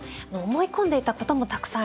思い込んでいたこともたくさんありました。